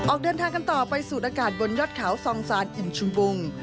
ออกเดินทางกันต่อไปสูดอากาศบนยอดเขาซองซานอิ่มชุมวง